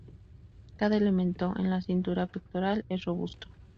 Cada elemento en la cintura pectoral es robusto.